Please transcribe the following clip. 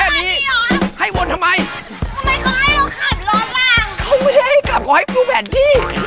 ไม่ต้องขับก็ได้